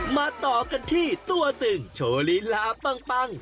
มาต่อกันที่ตัวตึงโชว์ลีลาปัง